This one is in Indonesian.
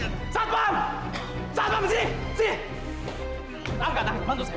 tahan tahan bantu saya bantu saya